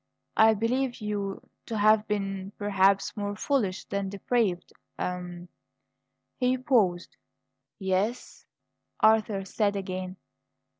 I believe you to have been, perhaps, more foolish than depraved a " He paused. "Yes?" Arthur said again.